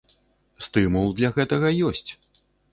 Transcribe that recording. Стымул для гэтага ёсць!